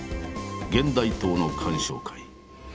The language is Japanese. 現代刀の鑑賞会。